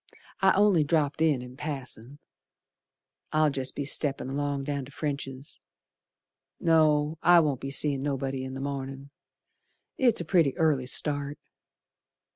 I only dropped in in passin'. I'll jest be steppin' along down to French's. No, I won't be seein' nobody in the mornin', It's a pretty early start.